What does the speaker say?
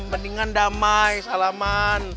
mendingan damai salaman